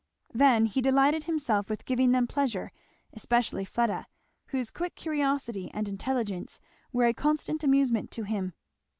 Then he delighted himself with giving them pleasure, especially Fleda, whose quick curiosity and intelligence were a constant amusement to him.